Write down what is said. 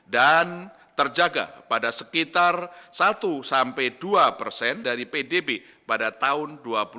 dan terjaga pada sekitar satu dua dari pdb pada tahun dua ribu dua puluh satu